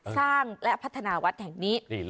สร้างและพัฒนาวัดแห่งนี้